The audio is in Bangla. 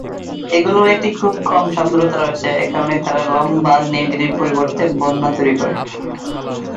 এগুলির একটি খুব কম সান্দ্রতা রয়েছে, এ কারণেই তারা লম্বা আগ্নেয়গিরির পরিবর্তে 'বন্যা' তৈরি করে।